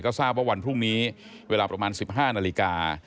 ทราบว่าวันพรุ่งนี้เวลาประมาณ๑๕นาฬิกา